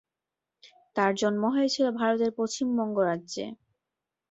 তাঁর জন্ম হয়েছিল ভারত-এর পশ্চিমবঙ্গ রাজ্যে।